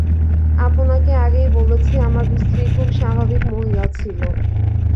আপনাকে আগেই বলেছি, আমার স্ত্রী খুব স্বাভাবিক মহিলা ছিল।